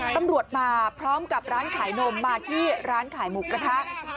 ตำรวจมาพร้อมกับร้านขายนมมาที่ร้านขายหมูกระทะ